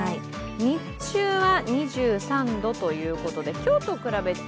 日中は２３度ということで、今日と比べて？